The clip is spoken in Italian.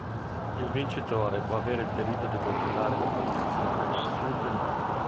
Il vincitore può avere il diritto di controllare la comunicazione tra sud e nord.